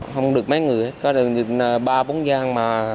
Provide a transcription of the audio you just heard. không được mấy người hết có được ba bốn gian